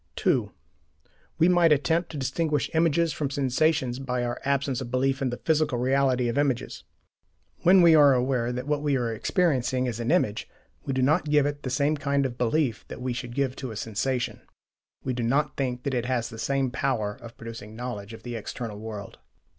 (2) We might attempt to distinguish images from sensations by our absence of belief in the "physical reality" of images. When we are aware that what we are experiencing is an image, we do not give it the kind of belief that we should give to a sensation: we do not think that it has the same power of producing knowledge of the "external world."